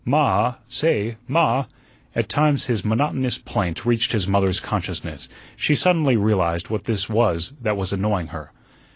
"Ma ah, say, ma." At times his monotonous plaint reached his mother's consciousness. She suddenly realized what this was that was annoying her.